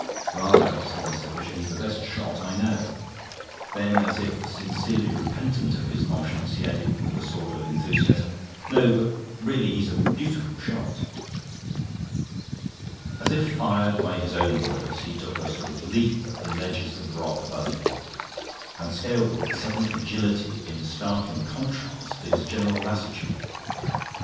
"Rather," said Mr. Fisher. "He's the best shot I know." Then, as if sincerely repentant of his nonchalance, he added, with a sort of enthusiasm: "No, but really, he's a beautiful shot." As if fired by his own words, he took a sort of leap at the ledges of the rock above him, and scaled them with a sudden agility in startling contrast to his general lassitude.